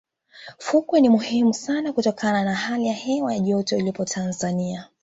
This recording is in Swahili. fukwe ni muhimu sana kutokana na hali ya hewa ya joto iliyopo tanzania